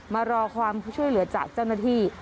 มารอความช่วยเหลือจากเจ้าหน้าที่